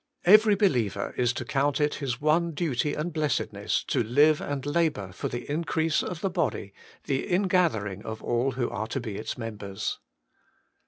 Every believer is to count it his one duty and blessedness to live and labour for the increase of the body, the ingathering of all who are to be its mem bers.